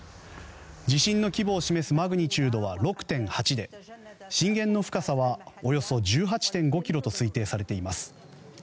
地震の規模を示すマグニチュードは６．８で震源の深さはおよそ１８．５ｋｍと推定されています。